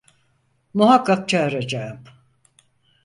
Muhakkak çağıracağım!